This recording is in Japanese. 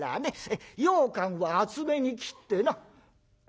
ようかんは厚めに切ってな」。